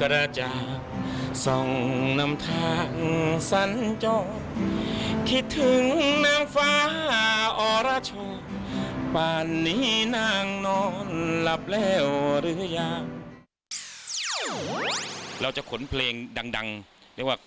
เราจะขนเพลงดังเรียกว่า